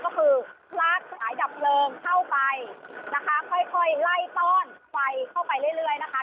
ก็คือลากสายดับเพลิงเข้าไปนะคะค่อยไล่ต้อนไฟเข้าไปเรื่อยนะคะ